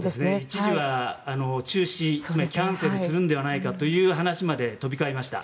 一時は中止キャンセルするのではないかという話まで飛び交いました。